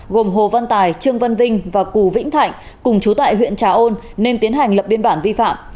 gồm hồ văn tài trương văn vinh và cù vĩnh thạnh cùng chú tại huyện trà ôn nên tiến hành lập biên bản vi phạm